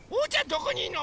どこにいんの？